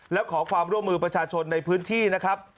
แล้วขอความร่วมมือประชาชนในพื้นที่นะครับ